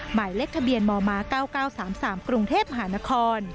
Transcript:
หมายเลขทะเบียนหมอม้าเก้าเก้าสามสามกรุงเทพหานคร